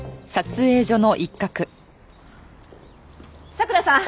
佐倉さん。